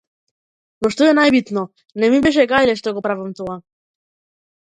Но што е најбитно, не ми беше гајле што го правам тоа.